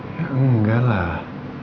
ya enggak lah